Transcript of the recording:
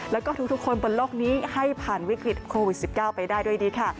แล้วก็ทุกคนบนโลกนี้ให้ผ่านวิกฤตโควิด๑๙ไปได้ด้วยดีค่ะ